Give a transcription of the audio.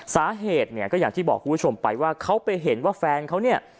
สาเหตุเนี่ยก็อย่างที่บอกคุณผู้ชมไปว่าเขาไปเห็นว่าแฟนเขาเนี่ย